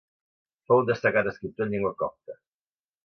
Fou un destacat escriptor en llengua copta.